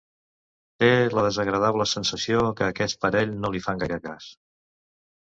Té la desagradable sensació que aquest parell no li fan gaire cas.